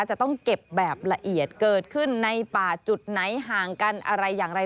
จะต้องเก็บแบบละเอียดเกิดขึ้นในป่าจุดไหนห่างกันอะไรอย่างไร